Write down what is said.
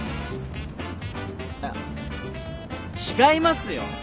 あっ違いますよ。